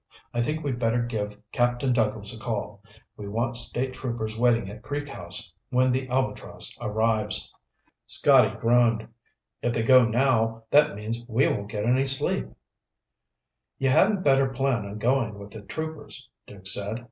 I think we'd better give Captain Douglas a call. We want state troopers waiting at Creek House when the Albatross arrives." Scotty groaned. "If they go now, that means we won't get any sleep." "You hadn't better plan on going with the troopers," Duke said.